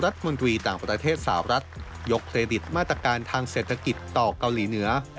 สหรัฐยกเครดิตมาตรการทางเศรษฐกิจต่อกาวลีเหนือ